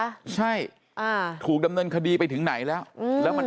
อ่าใช่อ่าถูกดำเนินคดีไปถึงไหนแล้วอืมแล้วมัน